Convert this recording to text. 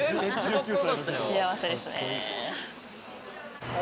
幸せですね。